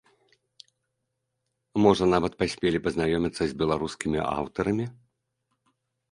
Можа нават паспелі пазнаёміцца з беларускімі аўтарамі?